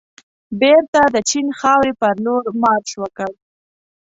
بېرته د چین خاورې پرلور مارش وکړ.